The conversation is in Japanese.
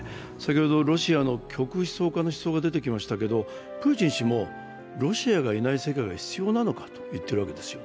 ロシアの極右の思想家の思想が出てきましたけれども、プーチン氏も、ロシアがいない世界が必要なのかと言ってるんです。